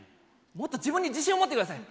もっと自分に自信を持ってください。